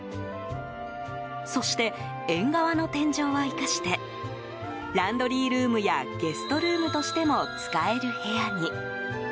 そして、縁側の天井は生かしてランドリールームやゲストルームとしても使える部屋に。